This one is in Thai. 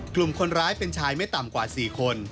กลุ่มคนร้ายเป็นชายไม่ต่ำกว่า๔คน